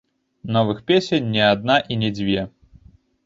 Новых песень не адна і не дзве.